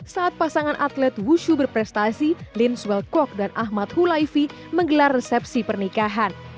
saat pasangan atlet wushu berprestasi lin swelkok dan ahmad hulaifi menggelar resepsi pernikahan